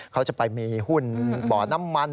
เขาจะไปมีหุ้นบ่อน้ำมัน